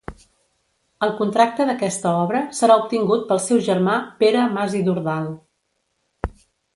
El contracte d'aquesta obra serà obtingut pel seu germà Pere Mas i Dordal.